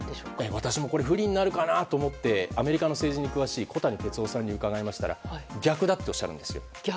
私も不利になるかなと思ってアメリカの政治に詳しい小谷哲男さんに伺いましたら逆だとおっしゃるんです。